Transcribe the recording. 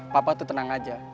papa tuh tenang aja